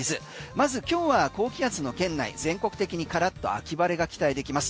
まず今日は高気圧の圏内全国的にカラッと秋晴れが期待できます。